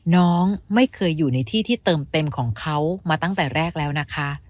น้องไม่เคยอยู่ในที่ที่เติมเต็มของเขามาตั้งแต่แรกแล้วนะคะ